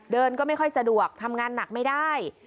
ก็ไม่ค่อยสะดวกทำงานหนักไม่ได้